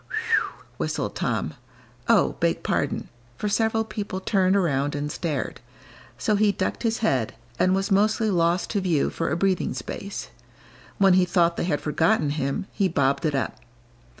"Whew!" whistled Tom; "oh, beg pardon!" for several people turned around and stared; so he ducked his head, and was mostly lost to view for a breathing space. When he thought they had forgotten him, he bobbed it up.